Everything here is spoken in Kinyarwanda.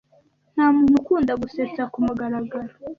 Ntamuntu ukunda gusetsa kumugaragaro.